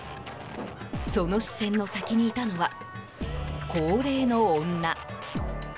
その視線の先にいたのは高齢の女。